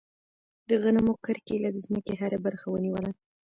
د غنمو کرکیله د ځمکې هره برخه ونیوله.